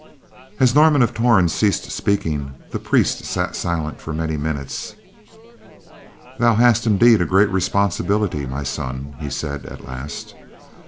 As Norman of Torn ceased speaking, the priest sat silent for many minutes. "Thou hast indeed a grave responsibility, my son," he said at last.